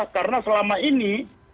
karena selama ini